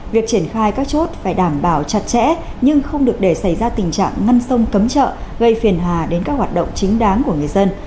việc triển khai các chốt phải đảm bảo chặt chẽ nhưng không được để xảy ra tình trạng ngăn sông cấm chợ gây phiền hà đến các hoạt động chính đáng của người dân